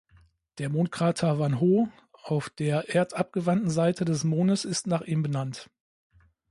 Der Mondkrater "Wan-Hoo" auf der erdabgewandten Seite des Mondes ist nach ihm benannt.